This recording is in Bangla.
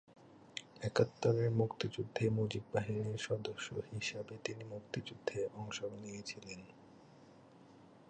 একাত্তরের মুক্তিযুদ্ধে মুজিব বাহিনীর সদস্য হিসাবে তিনি মুক্তিযুদ্ধে অংশ নিয়েছিলেন।